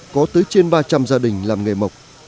có tới trên ba trăm linh gia đình làm nghề mộc